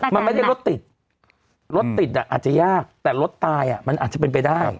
มันไม่ได้รถติดรถติดอ่ะอาจจะยากแต่รถตายอ่ะมันอาจจะเป็นไปได้